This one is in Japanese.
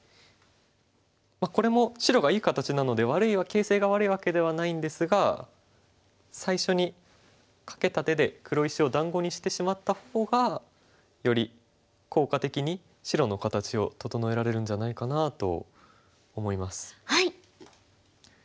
まあこれも白がいい形なので形勢が悪いわけではないんですが最初にカケた手で黒石を団子にしてしまった方がより効果的に白の形を整えられるんじゃないかなと思います。